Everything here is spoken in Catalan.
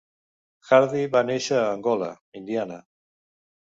Hardy va néixer a Angola, Indiana.